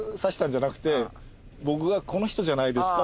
僕が「この人じゃないですか？」